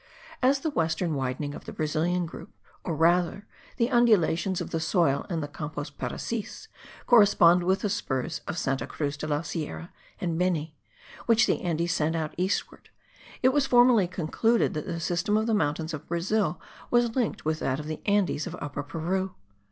As the western widening of the Brazilian group, or rather the undulations of the soil in the Campos Parecis, correspond with the spurs of Santa Cruz de la Sierra, and Beni, which the Andes send out eastward, it was formerly concluded that the system of the mountains of Brazil was linked with that of the Andes of Upper Peru.